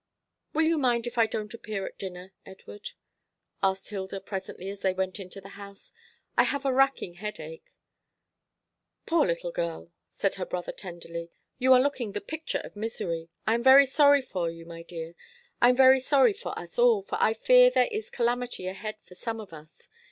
"Will you mind if I don't appear at dinner, Edward?" asked Hilda presently, as they went into the house. "I have a racking headache." "Poor little girl!" said her brother tenderly. "You are looking the picture of misery. I am very sorry for you, my dear. I am very sorry for us all; for I fear there is calamity ahead for some of us.